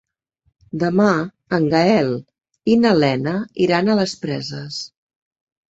Demà en Gaël i na Lena iran a les Preses.